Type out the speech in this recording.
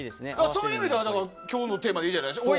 そういう意味では今日のテーマいいじゃないですか。